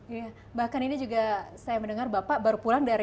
iya bahkan ini juga saya mendengar bapak baru pulang dari